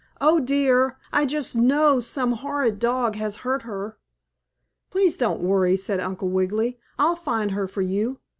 Oh, dear! I just know some horrid dog has hurt her." "Please don't worry," said Uncle Wiggily. "I'll find her for you.